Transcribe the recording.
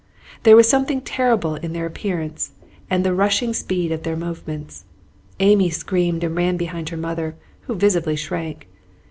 There was something terrible in their appearance and the rushing speed of their movements. Amy screamed and ran behind her mother, who visibly shrank.